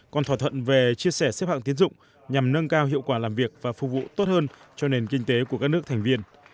còn thỏa thuận về chia sẻ xếp hạng tiến dụng nhằm nâng cao hiệu quả làm việc và phục vụ tốt hơn cho nền kinh tế của các nước thành viên